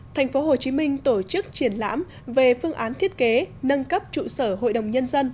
thành phố hồ chí minh tổ chức triển lãm về phương án thiết kế nâng cấp trụ sở hội đồng nhân dân